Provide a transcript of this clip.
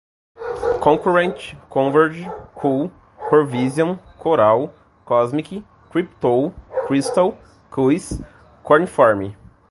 concurrent, converge, cool, corvision, coral, cosmic, cryptol, crystal, cuis, cuneiform